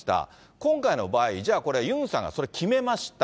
今回の場合、じゃあこれ、ユンさんがそれ、決めました。